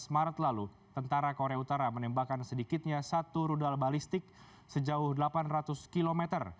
dua belas maret lalu tentara korea utara menembakkan sedikitnya satu rudal balistik sejauh delapan ratus km